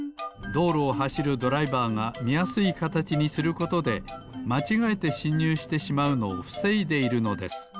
どうろをはしるドライバーがみやすいかたちにすることでまちがえてしんにゅうしてしまうのをふせいでいるのです。